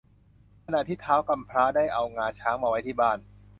ขณะที่ท้าวกำพร้าได้เอางาช้างมาไว้ที่บ้าน